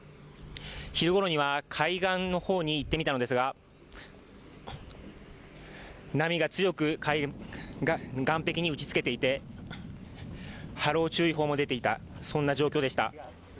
昼ごろには海岸の方に行ってみたのですが波が強く岸壁に打ちつけていて波浪注意報も出ていた状況でした。